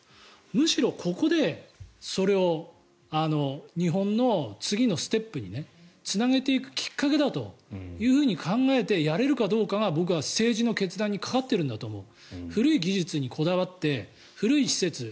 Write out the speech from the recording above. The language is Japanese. むしろここでそれを日本の次のステップにつなげていくきっかけだと考えてやれるかどうかが僕は政治の決断にかかっているんだと思う。